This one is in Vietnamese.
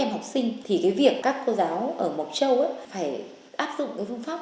em học sinh thì cái việc các cô giáo ở mộc châu phải áp dụng cái phương pháp